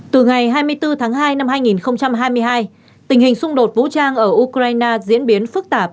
từ ngày hai mươi bốn tháng hai năm hai nghìn hai mươi hai tình hình xung đột vũ trang ở ukraine diễn biến phức tạp